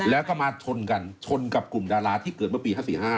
แล้วก็มาชนกันชนกับกลุ่มดาราที่เกิดเมื่อปี๕๔๕